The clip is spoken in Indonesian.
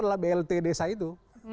adalah blt desa itu